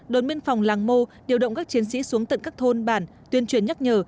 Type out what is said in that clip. đồn biên phòng làng mô điều động các chiến sĩ xuống tận các thôn bản tuyên truyền nhắc nhở